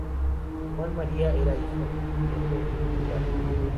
Juan María era hijo y nieto de militar.